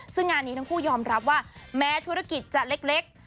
ซึ่งงานนี้ทั้งคู่ยอมรับว่าแม้ธุรกิจจะเล็ก